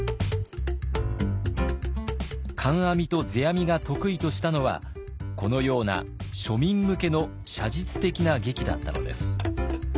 観阿弥と世阿弥が得意としたのはこのような庶民向けの写実的な劇だったのです。